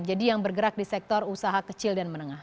jadi yang bergerak di sektor usaha kecil dan menengah